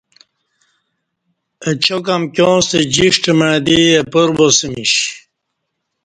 اچاک امکیاں ستہ جیݜٹ مع دی اپار باسمیش